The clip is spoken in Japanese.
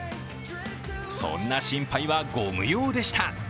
そんな心配はご無用でした。